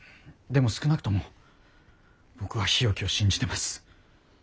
でも少なくとも僕は日置を信じてます。